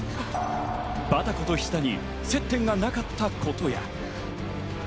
バタコと菱田に接点がなかったことや。